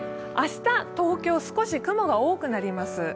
明日、東京、少し雲が多くなります。